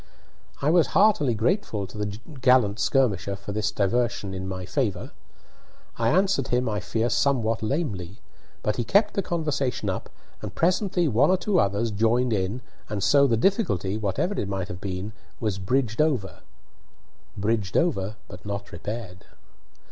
I was heartily grateful to the gallant Skirmisher for this diversion in my favour. I answered him, I fear, somewhat lamely; but he kept the conversation up, and presently one or two others joined in and so the difficulty, whatever it might have been, was bridged over bridged over, but not repaired.